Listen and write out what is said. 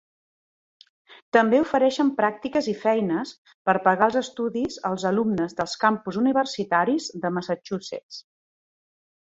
També ofereixen pràctiques i feines per pagar els estudis als alumnes dels campus universitaris de Massachusetts.